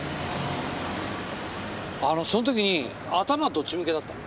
あのその時に頭どっち向きだった？